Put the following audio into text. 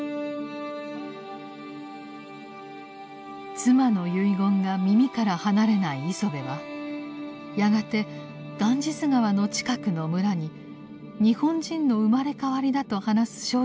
妻の遺言が耳から離れない磯辺はやがてガンジス河の近くの村に日本人の生まれ変わりだと話す少女がいることを知りインドへと旅立ちます。